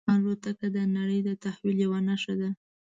الوتکه د نړۍ د تحول یوه نښه ده.